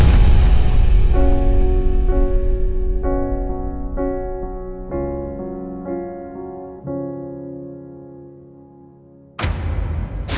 dari tempat ini selalu setuju